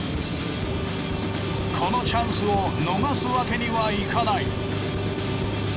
このチャンスを逃すわけにはいかない。